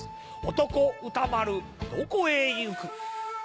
男歌丸どこへ行く。